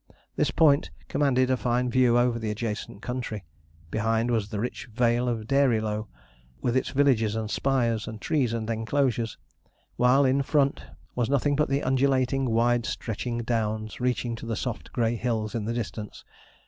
This point commanded a fine view over the adjacent country. Behind was the rich vale of Dairylow, with its villages and spires, and trees and enclosures, while in front was nothing but the undulating, wide stretching downs, reaching to the soft grey hills in the distance.